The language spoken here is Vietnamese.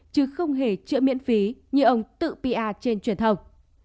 chứ không hề chữa miễn phí như ông tự pa trên truyền thông